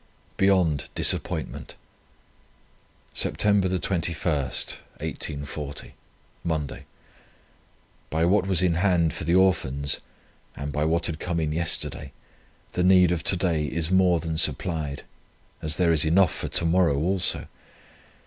BEYOND DISAPPOINTMENT. "Sept. 21 , Monday. By what was in hand for the Orphans, and by what had come in yesterday, the need of to day is more than supplied, as there is enough for to morrow also.